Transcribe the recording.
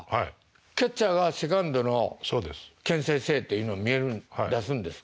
キャッチャーが「セカンドのけん制せい」って出すんですか。